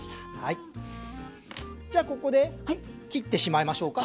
じゃあここで切ってしまいましょうか。